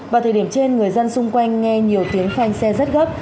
vào thời điểm trên người dân xung quanh nghe nhiều tuyến phanh xe rất gấp